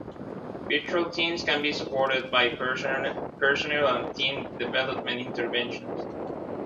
Virtual teams can be supported by personnel and team development interventions.